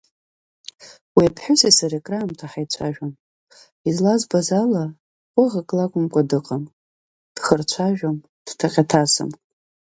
Уи аԥҳәыси сареи кыраамҭа ҳаицәажәон, излазбаз ала, ҟәӷак лакәмкәа дыҟам, дхырцәажәом, дҭаҟьа-ҭасым.